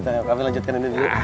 kita lanjutkan ini dulu